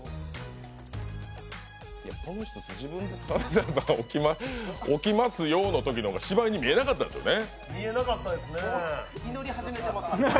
この人、自分「置きますよ」のときの方が芝居に見えなかったですね。